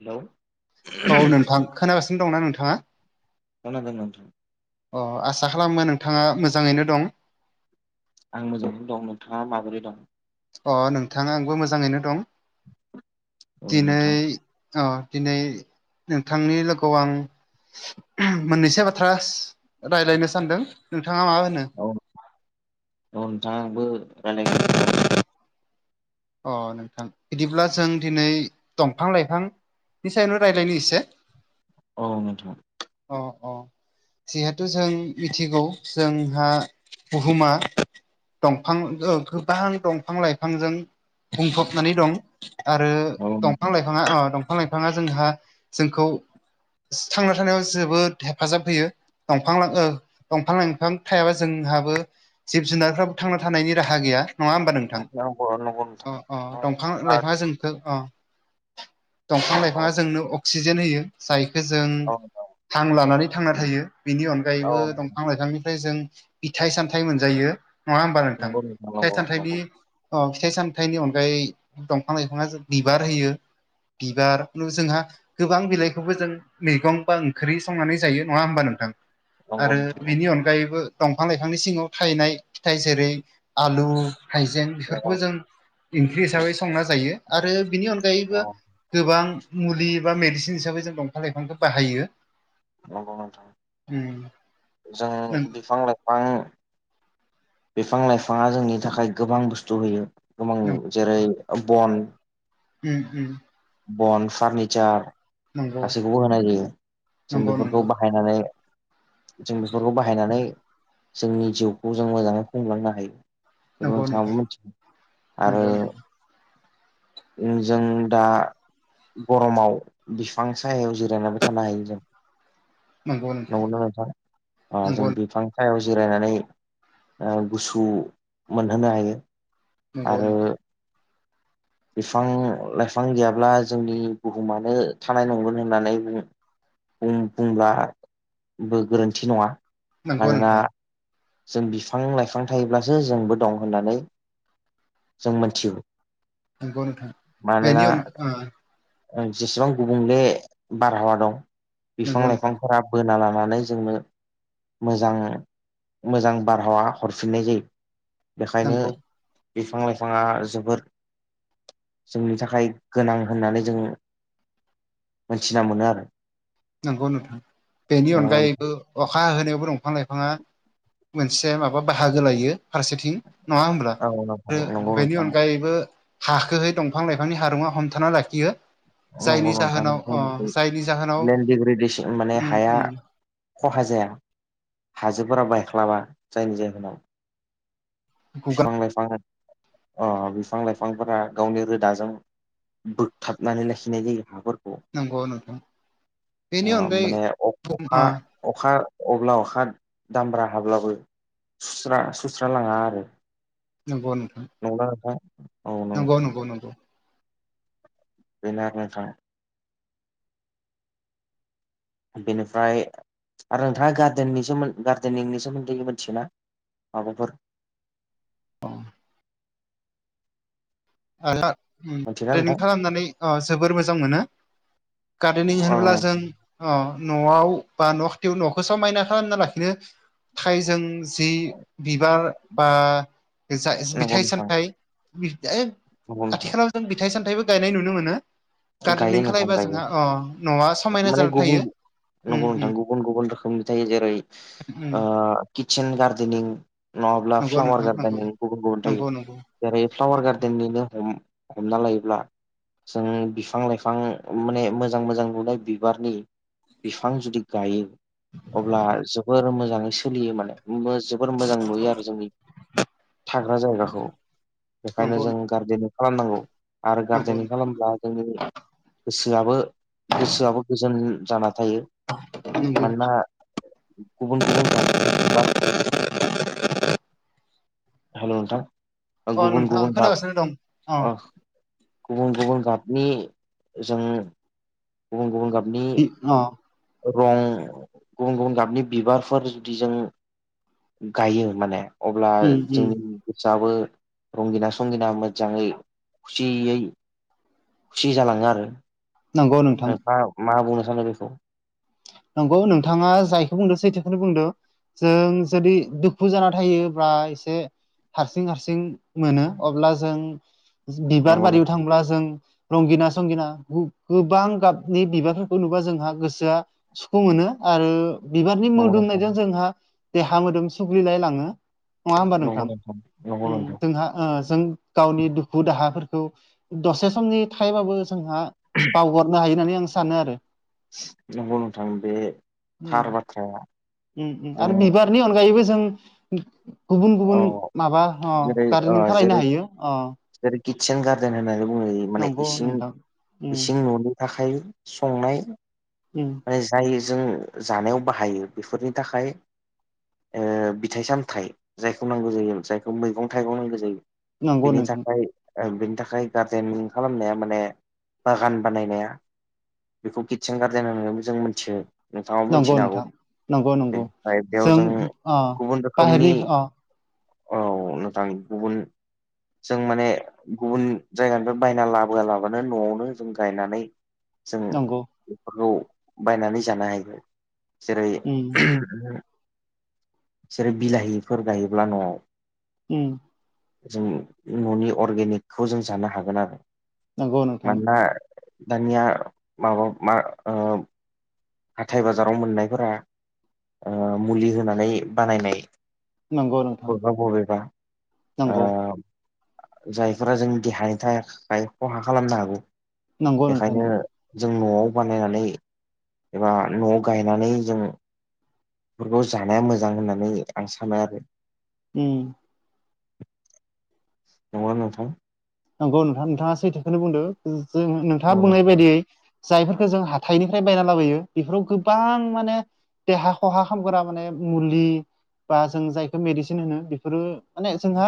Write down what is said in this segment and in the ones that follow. Hello औ नोंथां खोनागासिनो दंना नोंथाङा? खोनादों नोंथां। अ आसा खालामो नोंथाङा मोजाङैनो दं। आं मोजाङैनो दं नोंथाङा माबोरै दं? अ नोंथाङा आंबो मोजाङैनो दं औ दिनै नोंथां अ दिनै नोंथांनि लोगोआव आं [unintelligible] मोननैसो बाथ्रा रायलायनो सानदों नोंथाङा मा होनो? औ औ नोंथाङा आंबो रायलायनो होननानै [inaudible] अ नोंथां बिदिब्ला जों दिनै दंफां लाइफां नि सायावनो रायज्लायनि इसे। औ नोंथां। अ अ। जिहेथु जों मिथिगौ जोंहा बुहुमा दंफां ओ गोबां दंफां लाइफांजों बुंफबनानै दं आरो औ नोंथां दंफां लाइ फाङा अ दंफां लाइफांङा जोंहा जोंखौ थांना थानायाव जोबोद हेफाजाब होयो। दंफां ला ओ दंफां लाइफां थायाबा जोंहाबो जिब जुनारफ्राबो थांना थानायनि राहा गैया नङा होमबा नों नंगौ नंगौ। नोंथां अ अ औ दंफां लाइफांङा जोंखो अ। दंफां लाइफाङा जोंनो अक्सिजेन होयो जायखो जों औ नंगौ हां लानानै थांना थायो। बेनि अनगायैबो नोंथां दंफां लाइफांनिफ्राय जों फिथाइ सामथाइ मोनजायो। नंङा होमबा नोंथां नंगौ नंगौ फिथाइ सामथायनि अ फिथाइ साम थाइनि अनगायै दंफां लाइफाङा बिबार होयो बिबार खु जोंहा गोबां बिलाइखौबो जों मैगं बा ओंख्रि संनानै जायो नङा होमबा नोंथां? नंगौ आरो बेनि अन गायैबो दंफां लाइफांनि सिङाव थायनाय फिथाइ जेरै आलु हाइजें बेफोरखौबो जों ओंख्रि हिसाबै संना जायो आरो बिनि अनगायैबो नंगौ गोबां मुलि बा मेडिसिन हिसाबै जों दंफां लाइफांखौ बाहायो। नंगौ नोंथां उम जों नों बिफां लाइ फां बिफां लाइफाङा जोंनि थाखाय गोबां बुस्थु होयो। ङोमान नों जेरै ओ बन उम उम। बन फारनिचार नंगौ गासैखौबो होनाय जायो जों नंगौ बेफोरखौ नंगौ बा हायनानै जों बेफोरखौ बाहायनानै जोंनि जिउखौ जों मोजाङै खुंलांनो हायो। बेखौ नंगौ नोंथां नोंथाङाबो मिथिगौ आरो नंगौ नंगौ ओ जों दा गरमाव बिफां सायाव जिरायनानैबो थानो हायो जों। नंगौना नोंथां? जों नंगौ बिफां सायहायाव जिरायनानै ओ गुसु मोनहोनो हायो। नंगौ आरो नोंथां। बिफां लाइफां गैयाब्ला जोंनि बुहुमानो थानाय नंगोनो होननानै बुंङो बुं-बुंब्लाबो गोरोन्थि नङा। नंगौ मानोना नोंथां। जों बिफां लाइफां थायोब्लासो जोंबो दं होननानै जों मोनथिगौ। नंगौ नोंथां बेनि अन ओ ओ जेसेबां गुबुंले बारहावा दं बिफां नंगौ नोंथां लाइफांफोरा बोना लानानै जोंनो मोजां मोजां बारहावा हरफिननाय जायो बेखायनो नंगौ बिफां लाइफाङा जोबोर जोंनि थाखाय गोनां होननानै जों मोनथिना मोनो आरो। नंगौ नोंथां बेनि अनगायैबो अखा होनायावबो दंफां लाइफाङा मोनसे माबा बाहागो लायो फारसेथिं नङा होनब्ला औ नोंथां आरो नंगौ बेनि नोंथां अनगायैबो हाखोहै दंफां लाइफांनि हारुङा हमथाना लाखियो जायनि नंगौ नोंथां जाहोनाव अ जायनि जाहोनाव लन्ड दिग्रिदे माने उम हाया उम खहा जाया। हाजोफोरा बायख्लाबा जायनि जाहोनाव गुगा फिफां लायफां अ बिफां लाइफांफोरा गावनि रोदाजों बोगथाबनानै लाखिनाय जायो हाफोर नांगौ नोंथां बिनि ओ अनगायै माने अखा [unintelligible] अखा अब्ला अखा दामब्रा हाब्लाबो सुस्रा सुस्रालाङा आरो नंगौ नोंथां। नंला नोंथा नंगौ नंगौ नंगौ। बेनो आरो नोंथां। बेनिफ्राय आरो नोंथाङा गार्देननि सोमोन गार्देनिंनि सोमोन्दै मिथियोना? माबाफोर अ [unintelligible] मिथियोना नोंथां निं खालामनानै जोबोर मोजां मोनो गार्देनिं औ होनोब्ला जों अ न'आव बा न' खाथियाव न'खौ समायना खालामना लाखिनो थाखायजों जि बिबार बा जा नंगौ बिथाइ नोंथां सामथाइ नंगौ नोंथां आथिखालाव जों फिथाइ सामथायाइबो गायनाय नुनो मोनो गायो गार्देनिं नोंथां खालायबा गायो जोंहा अ न'आ समायना माने जाना गुबुन थायो। उम नंगौ उम नोंथां गुबुन गुबुन रोखोमनि थायो जेरै उम किटसेेन गार्देनिं नङाब्ला नंगौ फ्लावार नोंथां नंगौ गार्देन गुबुन गुबुन थायो। नंगौ नंगौ जेरै फ्लावार गार्देननिनो हमना लायोब्ला जों बिफां लाइफां माने मोजां मोजां नुनाय बिबारनि बिफां जुदि गायो अब्ला जोबोर मोजाङै सोलियो माने जोबोर मोजां नुयो आरो जोंनि थाग्रा जायगाखौ। बेखायनो नंगौ जों गार्देनिं खालामनांगौ आरो नंगौ गार्देनिं खालामब्ला जोंनि गोसोआबो गोसोआबो गोजोन जाना थायो नंगौ मानोना गुबुन गुबुन [unintelligible] बिबार हेल' नोंथां अ गुबुन नोंथां गुबुन गार खोनागासिनो दं अ गुबुन गुबुन गाबनि जों गुबुन गुबुन गाबनि अ। रं गुबुन गुबुन गाबनि बिबारफोर जुदि जों गायो माने अब्ला उम उम जोंनि गोसाबो रंगिना संगिना मोजाङै खुसियै खुसि जालाङो आरो नंगौ नोंथां नोंथाङा मा बुंनो सानो बेखौ? नंगौ नोंथाङा जायखौ बुंदों, सैथोखौनो बुंदों जों जुदि दुखु जाना थायोब्ला एसे हारसिं हारसिं मोनो अब्ला जों बिबार नंगौ नों बारियाव थांब्ला जों रंगिना संगिना गुब गोबां गाबनि बिबारफोरखौ नुबा जोंहा गोसोआ सुखु मोनो आरो बिबारनि नंगौ नोंथां मोदोमनायजों जोंहा देहा मोदोम सुग्रिलाय लाङो नङा होमबा नंगौ नोंथां? नंगौ उम नोंथां जोंहा ओ जों गावनि दुखु दाहाफोरखौ दसे समनि थाखायबाबो जोंहा बावगारनो हायो होननानै आं सानो आरो। नंगौ नोंथां बे थार बाथ्राया उम उम जों आरो बिबारनि अनगायैबो जों गुबुन अ गुबुन माबा अ जेरै ओ गार्देनिं जेरै खालायनो हायो अ जेरै किटसेेन गार्देन होननानै बुङो माने नंगौ इसि नोंथां उम इसिं न'नि थाखाय संनाय उम माने जाय जों जानायाव बाहायो बेफोरनि थाखाय ओ बिथाइ सामथाइ जायखौ नांगौ जायो जायखौ मैगं थाइगं नांगौ जायो नंगौ बिनि नोंथां थाखाय बिनि थाखाय गार्दनिं खालामनाया माने बागान बानायनाया बेखौ किटसेन गार्देन होननानै जों मोनथियो नोंथाङा नंगौ मोनथिन हागौ नोंथां नंगौ नंगौ बेनिफ्राय बेयाव जों अ गुबुन रोखोमनि बाहेरनि अ औ नोंथां गुबुन जों माने गुबुन जायगानिफ्राय बायना लाबोआलाबानो न'आवनो जों गायनानै जों नंगौ बेफोरखौ बायनानै जानो हायो जेरै उम [inaudible] जेरै बिलाहिफोर गायोब्ला न'आव उम जों न'नि अर्गेनिकखौ जों जानो हागोन आरो नंगौ नोंथां मानना दानिया माबा मा ओ हाथाइ बाजाराव मोननायफोरा ओ मुलि होनानै बानायनाय नंगौ नों बबेबा बबेबा जायफोरा जों देहानि थाखाय खहा खालामनो हागौ नंगौ नोंथां बेखायनो नंगौ जों न'आव बानायनानै एबा न'आव गायनानै जों बेफोरखौ जानाया मोजां होननानै आं सानो आरो ओम [unintelligible] नोंथां नंगौ नोंथां नोंथाङा सैथोखौनो बुंदों जों नोंथाङा बुंनाय नंगौ बायदियै जायफोरखौ जों हाथाइनिफ्राय बायना लाबोयो बेफोराव गोबां माने देहा खहा खामग्रा माने मुलि बा जों जायखौ मेडिसिन होनो बेफोरो माने जोंहा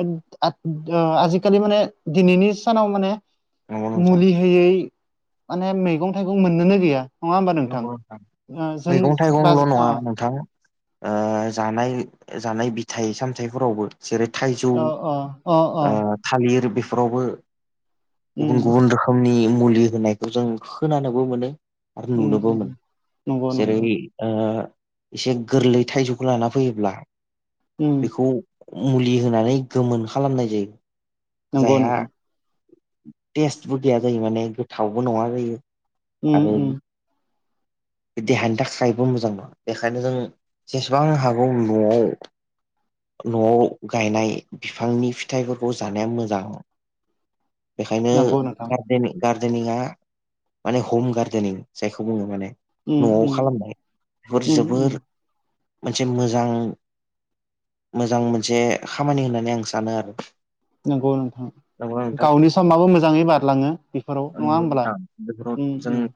[unintelligible] ओ आजिखालि माने दिनैनि सानाव माने नोंथां मुलि होयै माने मैगं थाइगं मोननोनो गैया नङा होमबा [inaudible] नोंथां जों मैगं बा थाइगंल' नङा अ नोंथां ओ जानाय जानाय बिथाइ सामथाइफोरावबो जेरै थाइजौ अ अ अ ओ थालिर बेफोरावबो उम गुबुन गुबुन रोखो मनि मुलि होनायखौ जों खोनानोबो मोनो आरो उम नुनोबो उम मोन नंगौ जेरै नंगौ ओ एसे गोरलै थाइजौखौ लाना फैयोब्ला उम बेखौ मुलि होनानै गोमोन खालामनाय जायो नंगौ जायहा नोंथां टेस्टबो गैया जायो माने गोथावबो नङा जायो उम उम बे देहानि थाखायबो मोजां नङा बेखायनो जों जेसेबां हागौ न'आव न'आव गायनाय बिफांनि फिथाइफोरखौ जानाया मोजां [inaudible] बेखायनो नंगौ नोंथां गार्देनिं गार्देनिंआ माने हम गार्देनिं जायखौ बुङो माने उम न'आव उम खालामनाय बेफोर उम उम जोबोर मोनसे मोजां मोजां मोनसे खामानि होननानै आं सानो आरो। नंगौ नंगौना नोंथाङा नोंथां? गावनि समाबो मोजाङै बारलाङो बेफोराव नङा नंगौ होमब्ला? [unintelligible] उम उम जों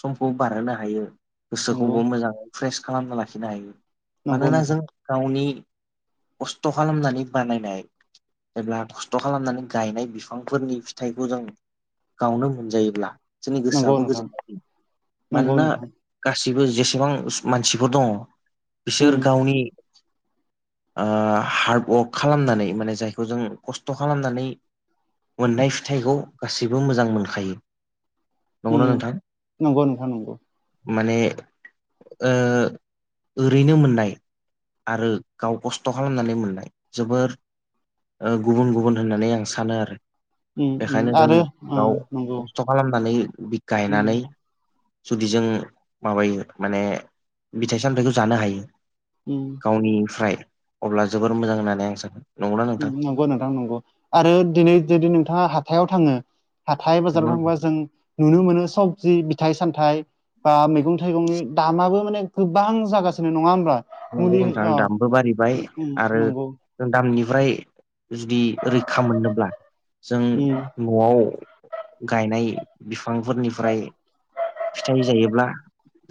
समखौ बारहोनो हायो नंगौ गोसोखौबो मोजाङै फ्रेस खालामना लाखिनो हायो नंगौ मानोना नोंथां जों गावनि खस्थ' खालामनानै बानायनाय जेब्ला खस्थ' खालामनानै गायनाय बिफांफोरनि फिथाइखौ जों गावनो मोनजायोब्ला जोंनि नंगौ गोसोआबो नोंथां गोजोननाय [inaudible] नंगौ मानोना नोंथां गासिबो जेसेबां मानसिफोर दङ बिसोर उम गावनि ओ हार्डवार्क खालामनानै माने जायखौ जों खस्थ' खालामनानै मोननाय फिथाइखौ गासैबो मोजां मोनखायो नंगौना उम नोंथां नंगौ नोंथां नंगौ। माने ओ ओरैनो मोननाय आरो गाव खस्थ' खालामनानै मोननाय जोबोर ओ गुबुन गुबुन होननानै आं सानो आरो उम उम बेखायनो जों आरो ओ गाव नंगौ खस्थ' खालामनानै बि उम गायनानै जुदि जों माबायो माने फथाइ सामथायाइखौ जानो हायो उम गावनिफ्राय अब्ला जोबोर मोजां होननानै आं सानो। नंगौना नोंथां नंगौ नोंथां नंगौ आरो दिनै जुदि नोंथाङा हाथायाव थाङो हाथाय नंगौ बाजाराव थांबा जों नुनो मोनो सबजि बिथाइ सामथाइ बा मै गं थाइगंनि दामाबो माने गोबां जागासिनो नङा होमबा? नंगौ नोंथां दामबो बारिबाय उम आरो नंगौ जों दामनिफ्राय जुदि रैखा मोनोब्ला जों उम न'आव गायनाय बिफांफोरनिफ्राय फिथाइ जायोब्ला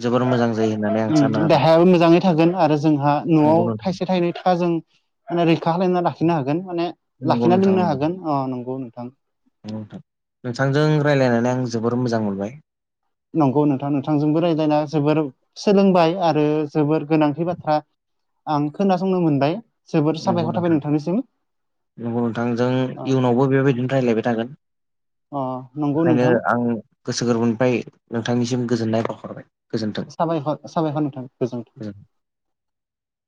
जोबोर मोजां जायो होननानै आं सानो उम आरो देहायो मोजाङै थागोन आरो जोंहा न'आव नंगौ नोंथां थाइसे थाइनै थाखा जों माने रैखा खालायना लाखिनो हागोन माने नंगौ लाखिना नोंथां दोननो नंगौ हागोन अ नंगौ नोंथां नोंथांजों रायज्लायनानै आं जोबोर मोजां मोनबाय। नंगौ नोंथां नोंथांजोंबो रायज्लायना जोबोर सोलोंबाय आरो जोबोर गोनांथि बाथ्रा आं खोनासंनो मोनबाय जोबोर साबायखर थाबाय नोंथांनिसिम। नंगौ नोंथां जों अ इयुनावबो बेबायदिनो रायज्लायबाय थागोन। अ नंगौ ओंखायनो नोंथां। आं गोसो गोरबोनिफ्राय नोंथांनिसिम गोजोननाय बावहरबाय। गोजोन्थों साबाखर साबायखर नोंथां गोजोनथों। गोजोन्थों